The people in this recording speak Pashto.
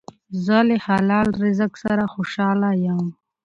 زه له حلال رزق سره خوشحاله یم.